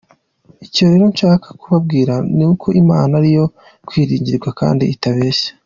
Icyo rero nshaka kubabwira ni uko Imana ari iyo kwiringirwa kdi itabeshya.